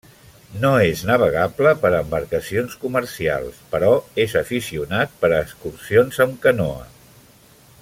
No és navegable per a embarcacions comercials, però és aficionat per a excursions amb canoa.